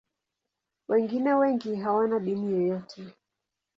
Wengine wengi hawana dini yoyote.